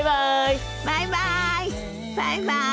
バイバイ！